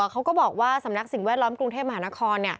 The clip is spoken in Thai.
เขาก็บอกว่าสำนักสิ่งแวดล้อมกรุงเทพมหานคร